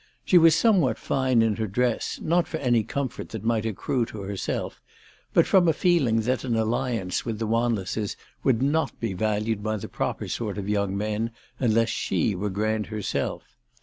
She was somewhat fine in her dress, not for any comfort that might accrue to herself, but from a feeling that an alliance with the Wanlesses would not be valued by the proper sort of young men unless she were grand herself.